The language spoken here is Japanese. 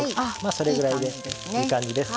それぐらいでいい感じです。